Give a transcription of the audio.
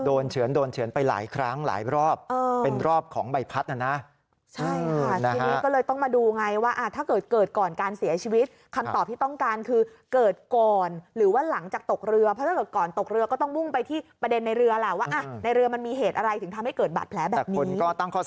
โอ้โหลุยหาหลักฐานต่อเนื่องเลยเมื่อวานขอพับแป๊บหนึ่ง